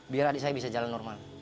biar adik saya bisa jalan normal